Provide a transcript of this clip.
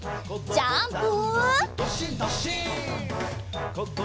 ジャンプ！